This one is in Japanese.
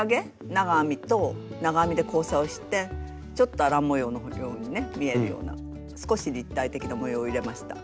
長編みと長編みで交差をしてちょっとアラン模様のようにね見えるような少し立体的な模様を入れました。